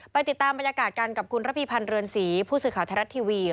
ติดตามบรรยากาศกันกับคุณระพีพันธ์เรือนศรีผู้สื่อข่าวไทยรัฐทีวี